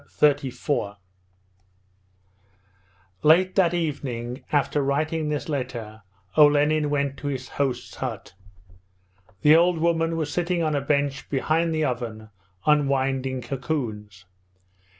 Chapter XXXIV Late that evening, after writing this letter, Olenin went to his hosts' hut. The old woman was sitting on a bench behind the oven unwinding cocoons.